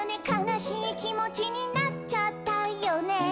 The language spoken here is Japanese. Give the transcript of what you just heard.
「かなしいきもちになっちゃったよね」